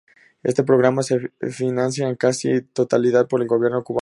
Este programa se financia en casi su totalidad por el gobierno cubano.